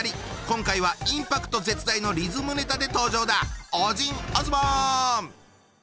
今回はインパクト絶大のリズムネタで登場だ！